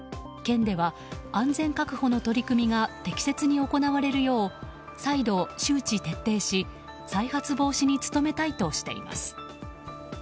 県では安全確保の取り組みが適切に行われるよう再度、周知徹底し再発防止に努めたいとしています。